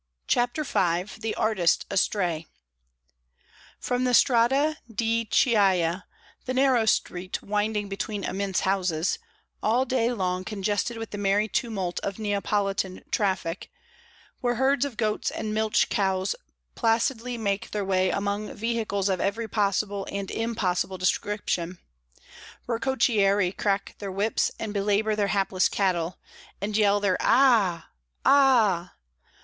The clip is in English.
CHAPTER V THE ARTIST ASTRAY From the Strada di Chiaia, the narrow street winding between immense houses, all day long congested with the merry tumult of Neapolitan traffic, where herds of goats and milch cows placidly make their way among vehicles of every possible and impossible description; where cocchieri crack their whips and belabour their hapless cattle, and yell their "Ah h h! Ah h h!"